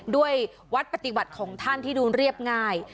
ด้วยวัดปฏิบัติของท่านที่ดูเรียบง่าย